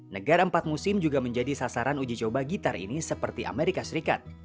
negara empat musim juga menjadi sasaran uji coba gitar ini seperti amerika serikat